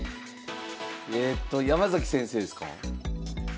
えっと山崎先生ですか？